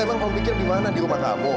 emang kamu pikir dimana di rumah kamu